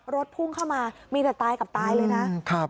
พุ่งเข้ามามีแต่ตายกับตายเลยนะ